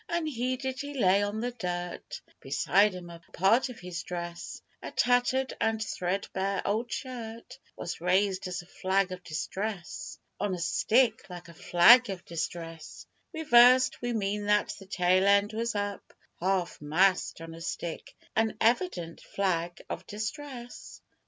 Unheeded he lay on the dirt; Beside him a part of his dress, A tattered and threadbare old shirt Was raised as a flag of distress. (On a stick, like a flag of distress Reversed we mean that the tail end was up Half mast on a stick an evident flag of distress.)